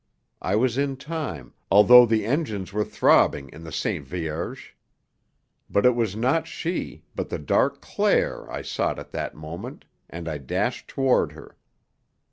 I was in time, although the engines were throbbing in the Sainte Vierge. But it was not she, but the dark Claire I sought at that moment, and I dashed toward her.